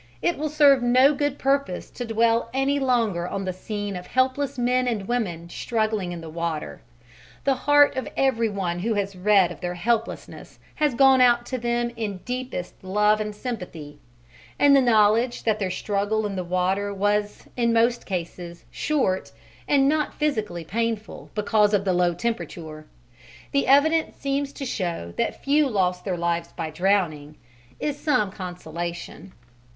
It will serve no good purpose to dwell any longer on the scene of helpless men and women struggling in the water. The heart of everyone who has read of their helplessness has gone out to them in deepest love and sympathy; and the knowledge that their struggle in the water was in most cases short and not physically painful because of the low temperature the evidence seems to show that few lost their lives by drowning is some consolation.